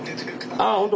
ああ本当。